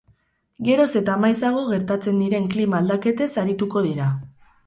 Geroz eta maizago gertatzen diren klima aldaketez arituko dira.